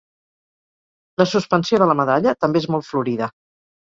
La suspensió de la medalla també és molt florida.